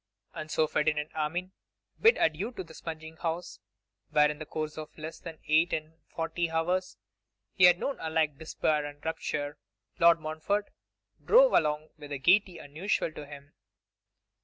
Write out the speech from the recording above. And so Ferdinand Armine bid adieu to the spunging house, where, in the course of less than eight and forty hours, he had known alike despair and rapture. Lord Montfort drove along with a gaiety unusual to him.